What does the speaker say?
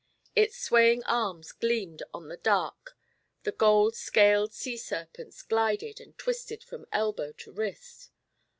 Its swaying arms gleamed on the dark; the gold scaled sea serpents glided and twisted from elbow to wrist.